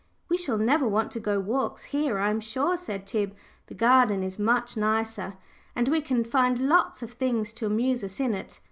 "We shall never want to go walks here, I am sure," said Tib. "The garden is much nicer, and we can find lots of things to amuse us in it.